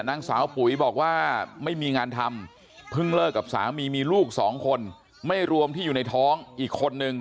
นางสาวปุ๋ยบอกว่าไม่มีงานทำเพิ่งเลิกกับสามีมีลูกสองคนไม่รวมที่อยู่ในท้องอีกคนนึง